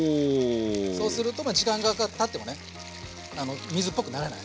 そうすると時間がたってもね水っぽくならない。